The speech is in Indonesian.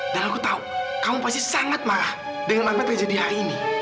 dan aku tahu kamu pasti sangat marah dengan apa terjadi hari ini